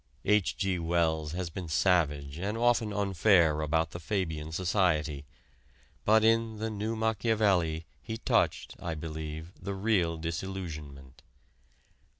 H. G. Wells has been savage and often unfair about the Fabian Society, but in "The New Machiavelli" he touched, I believe, the real disillusionment.